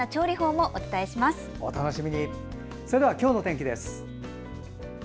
それでは今日の天気です。